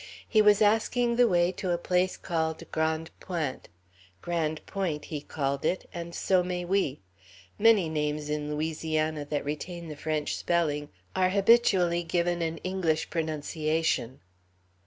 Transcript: He was asking the way to a place called Grande Pointe. Grand Point, he called it, and so may we: many names in Louisiana that retain the French spelling are habitually given an English pronunciation.